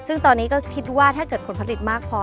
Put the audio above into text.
ซึ่งตอนนี้ก็คิดว่าถ้าเกิดผลผลิตมากพอ